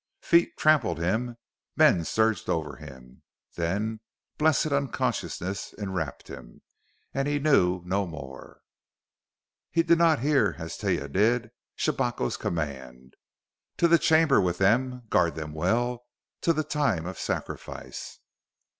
Feet trampled him; men surged over him; then blessed unconsciousness en wrapped him, and he knew no more. He did not hear, as did Taia, Shabako's command: "To a chamber with them! Guard them well, till the time of sacrifice!"